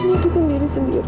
kenapa dia pukul dirinya sendiri